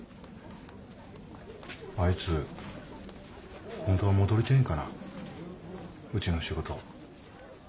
あいつ本当は戻りてんかなうちの仕事。